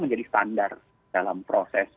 menjadi standar dalam proses